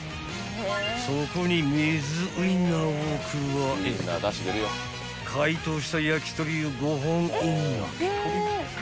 ［そこに水ウインナーを加え解凍した焼き鳥を５本イン］